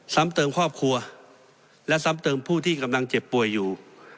ซ้ำเติมครอบครัวและซ้ำเติมผู้ที่กำลังเจ็บป่วยอยู่